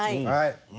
はい。